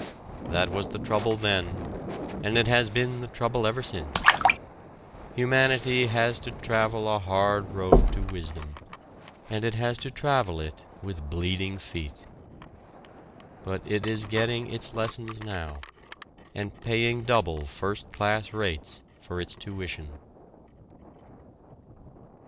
That was the trouble then, and it has been the trouble ever since. Humanity has to travel a hard road to wisdom, and it has to travel it with bleeding feet. But it is getting its lessons now and paying double first class rates for its tuition!